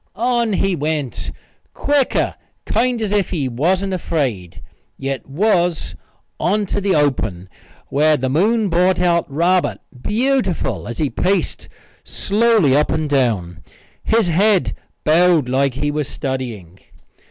On he went, quicker, kind as if he wasn't afraid, yet was, on to the open, where the moon brought out Robert beautiful as he paced slowly up and down, his head bowed like he was studying.